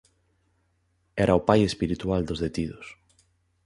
Era o pai espiritual dos detidos.